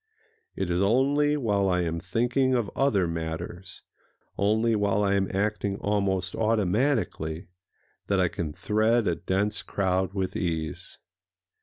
It is only while I am thinking of other matters,—only while I am acting almost automatically,—that I can thread a dense crowd with ease.